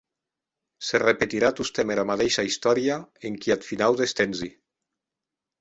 Se repetirà tostemp era madeisha istòria enquiath finau des tempsi.